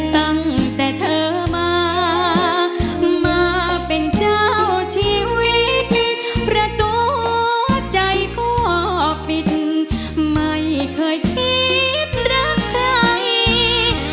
ตั้งแต่เธอมามาเป็นเจ้าชีวิตประตูหัวใจพ่อปิดไม่เคยคิดรักใคร